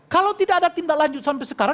kalau tidak ada tindak lanjut sampai sekarang